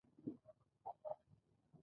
محافظه کار ګوند سخته ماته وخوړه.